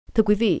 thưa quý vị